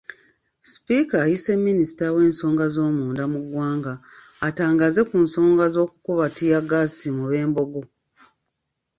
Sipiika, ayise Minisita w'ensonga z'omunda mu ggwanga atangaaze ku nsonga z'okukuba ttiyaggaasi mu b'Embogo.